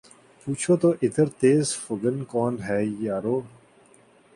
پوچھو تو ادھر تیر فگن کون ہے یارو